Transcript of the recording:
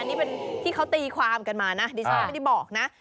นี่เป็นที่เขาตีความกันมานะดิฉันไม่ได้บอกนะ